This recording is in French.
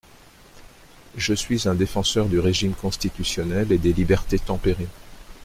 Je suis un défenseur du régime constitutionnel et des libertés tempérées.